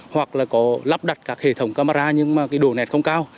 hoặc là có lắp đặt các hệ thống camera nhưng mà độ nẹt không cao